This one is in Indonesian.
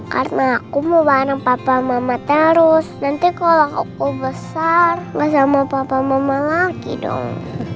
karena aku mau bareng papa mama terus nanti kalau aku besar gak sama papa mama lagi dong